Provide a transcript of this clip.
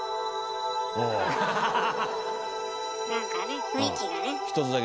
何かね雰囲気がね。